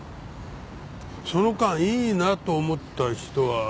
その間いいなと思った人は誰か。